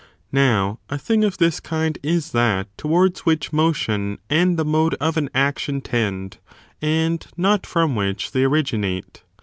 Now, a thing of this kind is that towards which motion and the mode of an action tend, and not from which they originate.